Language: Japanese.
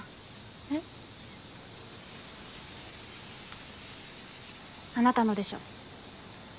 えっ？あなたのでしょ？